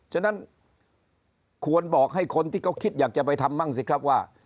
ฉะนั้นควรบอกให้คนที่เขาคิดอยากจะไปทำบ้างสิครับว่า